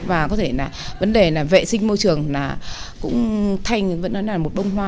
và có thể vấn đề vệ sinh môi trường cũng thành một bông hoa